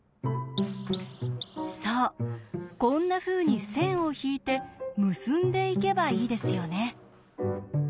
そうこんなふうに線を引いて結んでいけばいいですよね。